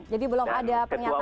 jadi belum ada pernyataan ya